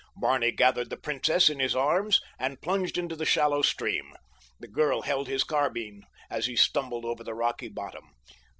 Barney gathered the princess in his arms and plunged into the shallow stream. The girl held his carbine as he stumbled over the rocky bottom.